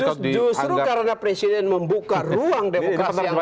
justru karena presiden membuka ruang demokrasi yang baik